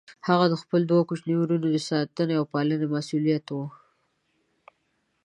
هغه د خپلو دوه کوچنيو وروڼو د ساتنې او پالنې مسئوليت و.